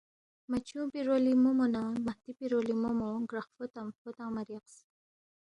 میچونگپی رولی مومو نہ مہدی پی رولی مومو گراقفو تمفو تنگمہ ریاقس۔